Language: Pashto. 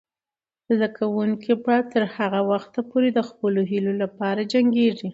زده کوونکې به تر هغه وخته پورې د خپلو هیلو لپاره جنګیږي.